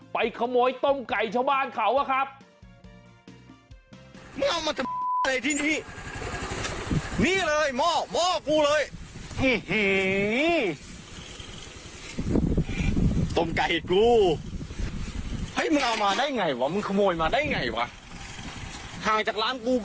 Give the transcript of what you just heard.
ไปขโมยต้มไก่ชาวบ้านเขาอะครับ